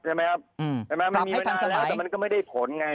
มันมีมานานแล้วแต่มันก็ไม่ได้ผลไง